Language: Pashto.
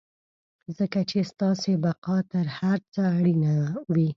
ځکه چې ستاسې بقا تر هر څه اړينه وي.